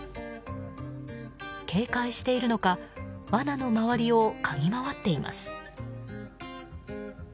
警戒しているのかわなの周りをかぎ回っています。